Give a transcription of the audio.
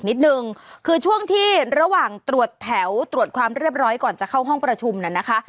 นิดนึงคือช่วงที่ระหว่างตรวจแถวตรวจความเรียบร้อยก่อนจะเข้าห้องประชุมน่ะนะคะ